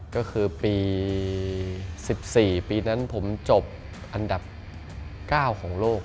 ก็คือปี๑๔ปีนั้นผมจบอันดับ๙ของโลก